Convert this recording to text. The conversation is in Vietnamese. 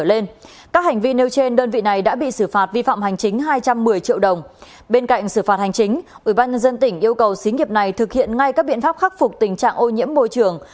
bên cạnh xử phạt hành chính ủy ban dân tỉnh yêu cầu xí nghiệp này thực hiện ngay các biện pháp khắc phục tình trạng ô nhiễm môi trường